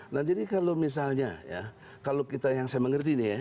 nah jadi kalau misalnya ya kalau kita yang saya mengerti ini ya